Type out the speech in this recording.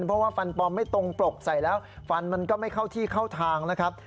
เพราะว่าฟันปลอมไม่ตรงปลกใส่แล้วฟันมันก็ไม่เข้าที่เข้าทางนะครับ